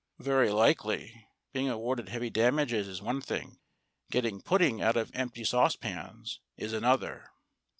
"Very likely. Being awarded heavy damages is one thing; getting pudding out of empty saucepans is another."